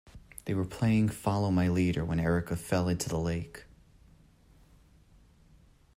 They were playing follow my leader when Erica fell into the lake.